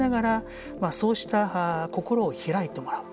そうした心を開いてもらう。